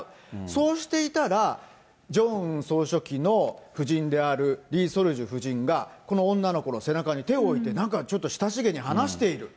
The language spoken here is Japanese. そうしていたらジョンウン総書記の夫人であるリ・ソルジュ夫人が、この女の子の背中に手を置いてなんかちょっと親しげに話している。